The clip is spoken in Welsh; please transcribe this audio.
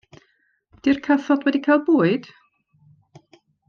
Ydi'r cathod wedi cael bwyd?